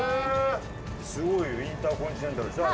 すごいよインターコンチネンタルでしょ？